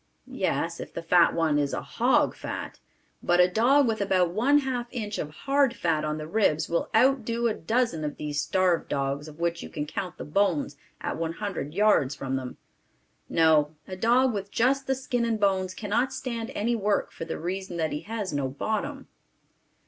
Yes, if the fat one is hog fat; but a dog with about one half inch of hard fat on the ribs will out do a dozen of these starved dogs of which you can count the bones at one hundred yards from them. No, a dog with just the skin and bones cannot stand any work for the reason that he has no bottom.